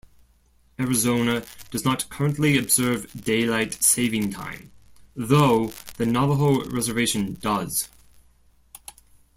Arizona does not currently observe Daylight Saving Time, though the Navajo reservation does.